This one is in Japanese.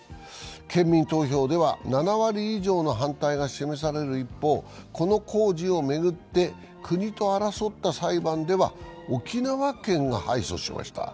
県民投票では７割以上の反対が示される一方、この工事を巡って国と争った裁判では沖縄県が敗訴しました。